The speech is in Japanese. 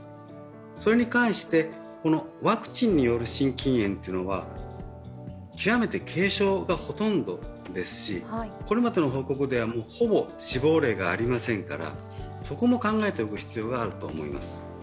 それに関して、ワクチンによる心筋炎というのは極めて、軽症がほとんどですしこれまでの報告ではほぼ死亡例がありませんからそこも考えておく必要があると思います。